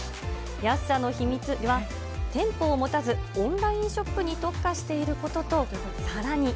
安さの秘密は店舗を持たず、オンラインショップに特化していることと、さらに。